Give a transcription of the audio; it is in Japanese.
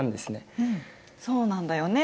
そうなんだよね。